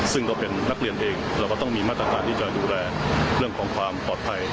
ซึ่งก็เป็นนักเรียนเองเราก็ต้องมีมาตรการที่จะดูแลเรื่องของความปลอดภัย